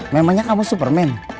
memangnya kamu superman